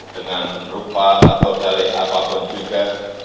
dengan rupa atau dalih apapun juga